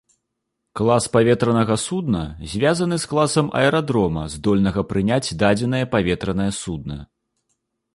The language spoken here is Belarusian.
Клас паветранага судна звязаны з класам аэрадрома, здольнага прыняць дадзенае паветранае судна.